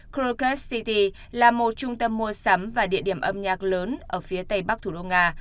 krocast city là một trung tâm mua sắm và địa điểm âm nhạc lớn ở phía tây bắc thủ đô nga